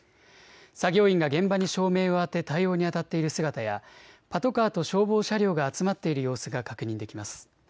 作業員が現場に照明を当て対応にあたっている姿やパトカーと消防車両が集まっている様子が確認できます。